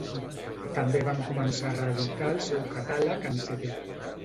També van començar a reeditar el seu catàleg en CD.